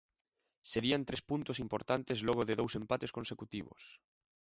Serían tres puntos importantes logo de dous empates consecutivos.